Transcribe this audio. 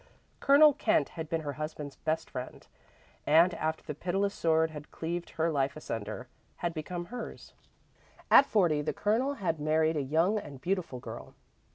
Colonel Kent had been her husband's best friend, and after the pitiless sword had cleaved her life asunder, had become hers. At forty the Colonel had married a young and beautiful girl.